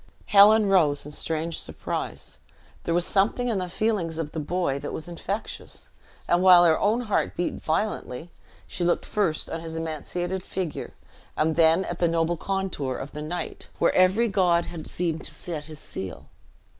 Helen rose in strange surprise; there was something in the feelings of the boy that was infectious; and while her own heart beat violently, she looked first on his emaciated figure, and then at the noble contour of the knight, "where every god had seemed to set his seal."